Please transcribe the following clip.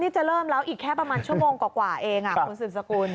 จะเริ่มแล้วอีกแค่ประมาณชั่วโมงกว่าเองคุณสืบสกุล